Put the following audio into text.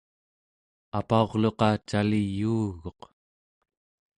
apa'urluqa cali yuuguq